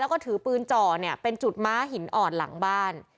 แล้วก็ถือปืนจ่อเนี่ยเป็นจุดม้าหินอ่อนหลังบ้าน